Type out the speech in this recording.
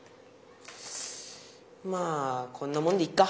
まあこんなもんでいっか。